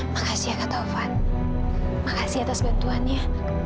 makasih ya kak taufan makasih atas bantuannya